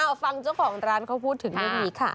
เอาฟังเจ้าของร้านเขาพูดถึงเรื่องนี้ค่ะ